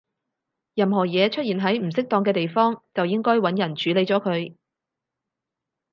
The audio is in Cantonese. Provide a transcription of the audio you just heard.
任何嘢出現喺唔適當嘅地方，就應該搵人處理咗佢